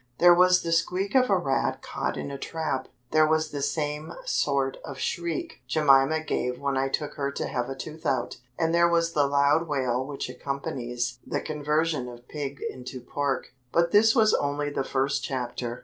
There was the squeak of a rat caught in a trap; there was the same sort of shriek Jemima gave when I took her to have a tooth out; and there was the loud wail which accompanies the conversion of pig into pork. But this was only the first chapter.